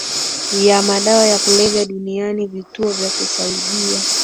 ya madawa ya kulevya duniani vituo vya kusaidia